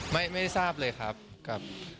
ไม่ทราบเลยครับ